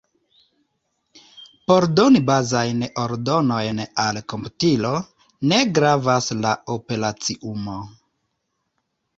Por doni bazajn ordonojn al komputilo, ne gravas la operaciumo.